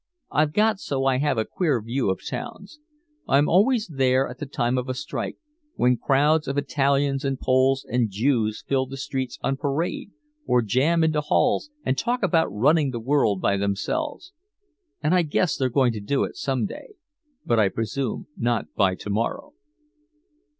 I've got so I have a queer view of towns. I'm always there at the time of a strike, when crowds of Italians and Poles and Jews fill the streets on parade or jam into halls and talk about running the world by themselves. And I guess they're going to do it some day but I presume not by to morrow."